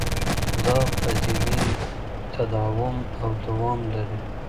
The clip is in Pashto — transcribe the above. دا پدیدې تداوم او دوام لري.